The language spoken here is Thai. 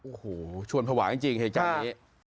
โอ้โหชวนผวานจริงเหตุจัยนี้